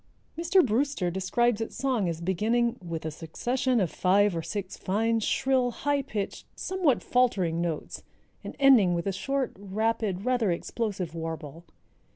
Mr. Brewster describes its song as beginning "with a succession of five or six fine, shrill, high pitched, somewhat faltering notes, and ending with a short, rapid, rather explosive warble.